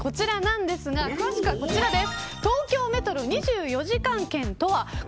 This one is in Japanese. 詳しくはこちらです。